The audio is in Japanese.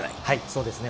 そうですね。